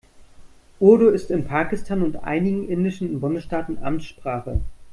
Urdu ist in Pakistan und einigen indischen Bundesstaaten Amtssprache.